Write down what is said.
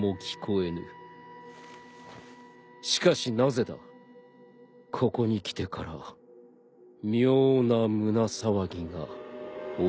しかしなぜだここに来てから妙な胸騒ぎが収まらぬ。